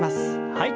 はい。